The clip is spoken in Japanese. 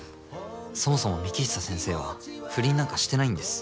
そもそも幹久先生は不倫なんかしてないんです。